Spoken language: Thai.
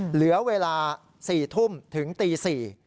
เหลือเวลา๔ทุ่มถึงตี๔